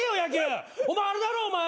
お前あれだろお前